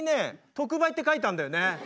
「特売」って書いてあんだよね。